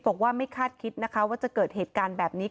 บอกว่าไม่คาดคิดนะคะว่าจะเกิดเหตุการณ์แบบนี้